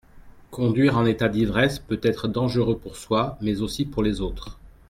Conduire en état d’ivresse peut être dangereux pour soi mais aussi pour les autres.